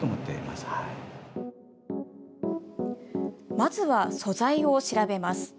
まずは素材を調べます。